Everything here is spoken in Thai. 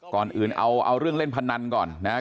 ก่อนอื่นเอาเรื่องเล่นพนันก่อนนะครับ